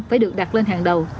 phải được đặt lên hàng đầu